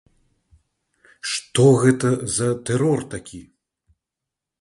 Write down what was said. Што гэта за тэрор такі?